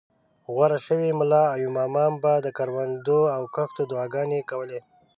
غوره شوي ملا او امام به د کروندو او کښتو دعاګانې کولې.